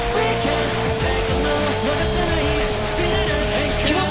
えっ？